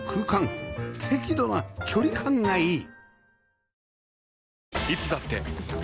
適度な距離感がいい！